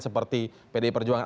seperti pdi perjuangan